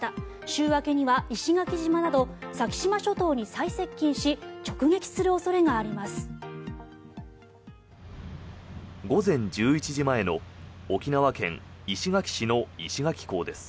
週明けには石垣島など先島諸島に最接近し直撃する恐れがあります。